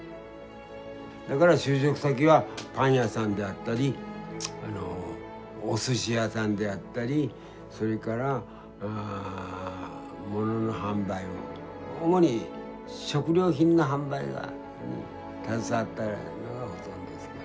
だから就職先はパン屋さんであったりおすし屋さんであったりそれから物の販売を主に食料品の販売に携わったのがほとんどですかね。